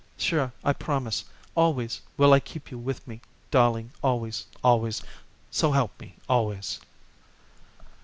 Sure I promise. Always will I keep you with me, darling, always, always, so help me, always."